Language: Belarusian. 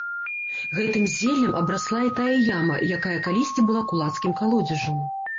Гэтым зеллем абрасла і тая яма, якая калісьці была кулацкім калодзежам.